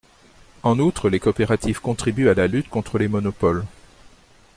En outre, les coopératives contribuent à la lutte contre les monopoles.